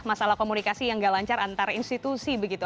masalah komunikasi yang gak lancar antar institusi begitu